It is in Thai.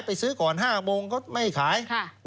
ไปซื้อก่อน๕โมงก็ไม่ให้ขาย